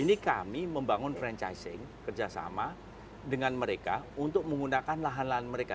ini kami membangun franchising kerjasama dengan mereka untuk menggunakan lahan lahan mereka